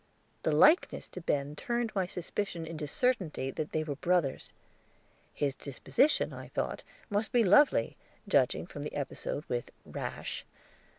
The likeness to Ben turned my suspicion into certainty that they were brothers. His disposition, I thought, must be lovely, judging from the episode with "Rash."